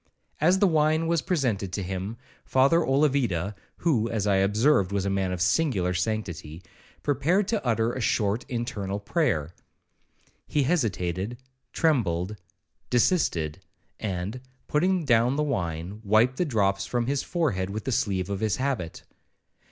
As the wine was presented to him, Father Olavida, (who, as I observed, was a man of singular sanctity), prepared to utter a short internal prayer. He hesitated,—trembled,—desisted; and, putting down the wine, wiped the drops from his forehead with the sleeve of his habit.